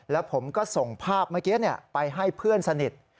แล้วผมก็ส่งภาพเมื่อกี้ไปให้เพื่อนสนิท